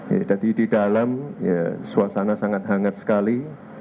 jadi di dalam suasana sangat hangat sekali